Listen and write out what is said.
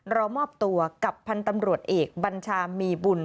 รอมอบตัวกับพันธ์ตำรวจเอกบัญชามีบุญ